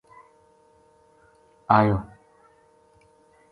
بانیا بلادری پو یوہ مُچ اوکھو سال آیو